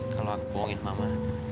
kalau aku bohongin mama